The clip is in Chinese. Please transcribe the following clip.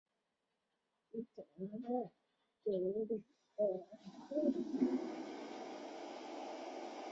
主沟小口子沟北侧有寺。